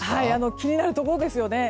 気になるところですよね。